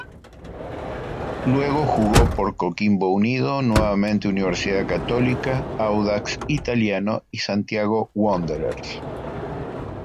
Luego jugó por Coquimbo Unido, nuevamente Universidad Católica, Audax Italiano y Santiago Wanderers.